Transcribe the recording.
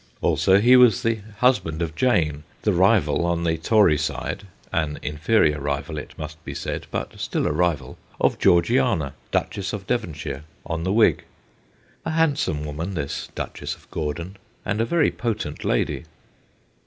Also, he was the husband of Jane, the rival on the Tory side an inferior rival, it must be said, but still a rival of Georgiana, Duchess of Devonshire, on the Whig : a handsome woman, this Duchess of Gordon, and a very potent lady.